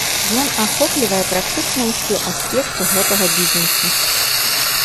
Ён ахоплівае практычна ўсе аспекты гэтага бізнэсу.